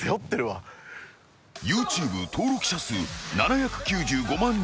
［ＹｏｕＴｕｂｅ登録者数７９５万人］